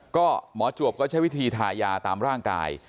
ก็หมอจวบก็ใช้วิธีทายาตามร่างกาย